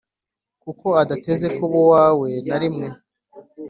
kuko adateze kuba uwawe narimwe